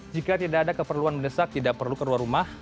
jika tidak ada keperluan mendesak tidak perlu keluar rumah